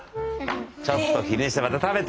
ちょっと昼寝してまた食べて。